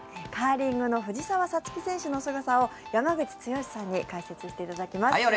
カーリングの藤澤五月選手のすごさを山口剛史さんに解説していただきます。